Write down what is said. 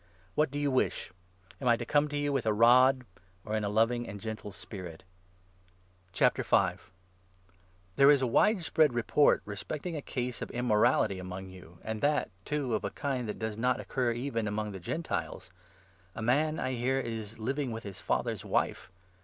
What do you wish ? Am I to come to you with a 21 rod, or in a loving and gentle spirit ? 20 Dan. 2. 44. 314 I. CORINTHIANS, 5 6. A fl rant There is a wide spread report respecting a case i caeo of of immorality among you, and that, too, of a immorality, kind that does not occur even among the Gentiles — a man, I hear, is living with his father's wife